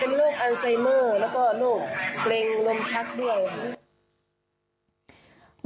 เป็นโรคอัลไซเมอร์แล้วก็โรคเกร็งลมชักด้วยค่ะ